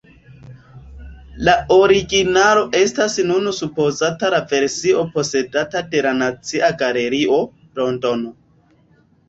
La originalo estas nune supozata la versio posedata de la Nacia Galerio, Londono.